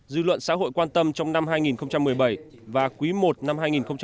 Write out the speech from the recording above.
dư luận xã hội quan tâm trong năm hai nghìn một mươi bảy và quý i năm hai nghìn một mươi tám